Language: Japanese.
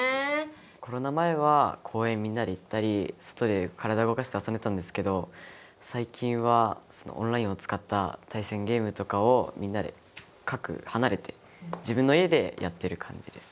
コロナ前は公園みんなで行ったり外で体動かして遊んでたんですけど最近はオンラインを使った対戦ゲームとかをみんなで各離れて自分の家でやってる感じです。